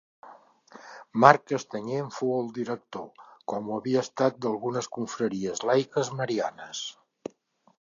Marc Castanyer en fou el director, com ho havia estat d'algunes confraries laiques marianes.